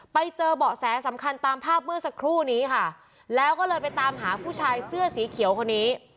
ไปเจอเบาะแสสำคัญตามภาพเมื่อสักครู่นี้ค่ะแล้วก็เลยไปตามหาผู้ชายเสื้อสีเขียวคนนี้